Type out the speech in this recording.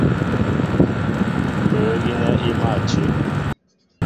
Mbə̌ gínɛ́ í mâ tʉ́.